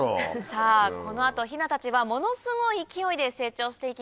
さぁこの後ヒナたちはものすごい勢いで成長していきます。